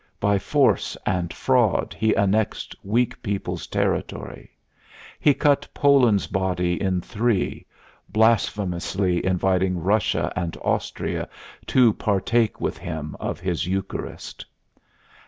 By force and fraud he annexed weak peoples' territory. He cut Poland's body in three, blasphemously inviting Russia and Austria to partake with him of his Eucharist.